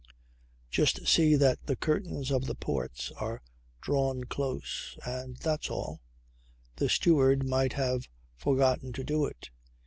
Just see that the curtains of the ports are drawn close and that's all. The steward might have forgotten to do it.